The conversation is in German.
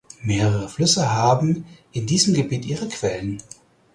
Mehrere Flüsse haben in diesem Gebiet ihr Quellen.